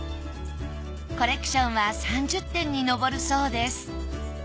コレクションは３０点にのぼるそうです。